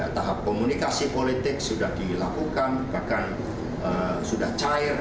tahap komunikasi politik sudah dilakukan bahkan sudah cair